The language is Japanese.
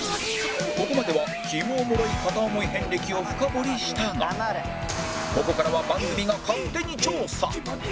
ここまではキモおもろい片想い遍歴を深掘りしたがここからは番組が勝手に調査